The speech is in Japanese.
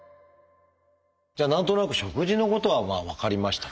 じゃあ何となく食事のことは分かりましたと。